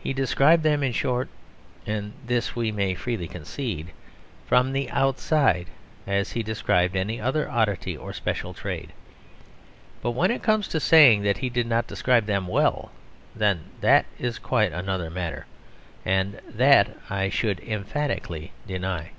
He described them, in short (and this we may freely concede), from the outside, as he described any other oddity or special trade. But when it comes to saying that he did not describe them well, then that is quite another matter, and that I should emphatically deny.